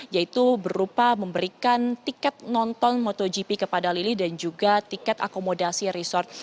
yaitu berupa memberikan tiket nonton motogp kepada lili dan juga tiket akomodasi resort